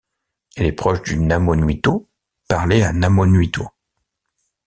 Elle est proche du namonuito parlé à Namonuito.